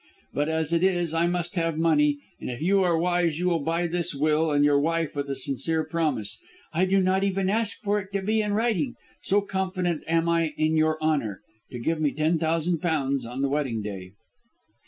But, as it is, I must have money, and if you are wise you will buy this will and your wife with a sincere promise I do not even ask for it to be in writing, so confident am I in your honour to give me ten thousand pounds on the wedding day."